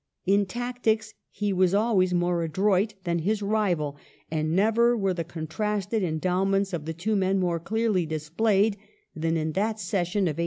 In tactics he was always more adroit than his rival ; and never were the contrasted endowments of the two men more clearly displayed than in this session of 1867.